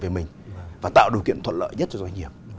về mình và tạo điều kiện thuận lợi nhất cho doanh nghiệp